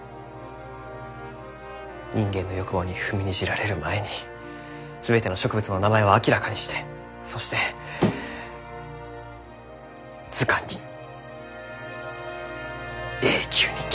人間の欲望に踏みにじられる前に全ての植物の名前を明らかにしてそして図鑑に永久に刻む。